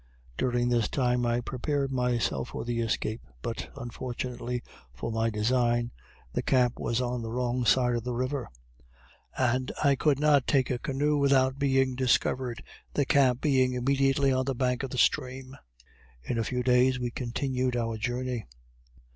During this time I prepared myself for the escape, but unfortunately for my design, the camp was on the wrong side of the river, and I could not take a canoe without being discovered, the camp being immediately on the bank of the stream. In a few days we continued our journey.